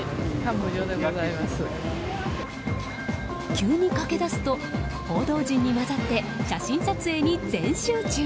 急に駆け出すと報道陣に混ざって写真撮影に全集中。